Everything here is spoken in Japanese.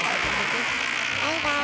バイバーイ。